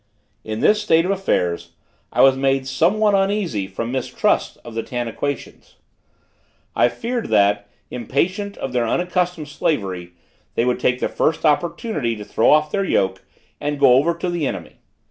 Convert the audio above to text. In this state of affairs, I was made somewhat uneasy from mistrust of the Tanaquitians. I feared that, impatient of their unaccustomed slavery, they would take the first opportunity to throw off their yoke, and go over to the enemy.